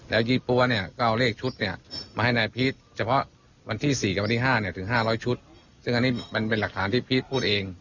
แล้วยี่ปั๊วก็เอาเลขชุดมาให้นายพีชเฉพาะวันที่๔จะพรีห้าถึง๕๐๐ชุดซึ่งนี่เป็นหลักฐานที่พีชพูดเอง